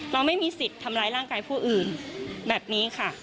เราไม่มีสิทธิ์ทำร้ายร่างกายผู้อื่นแบบนี้ค่ะ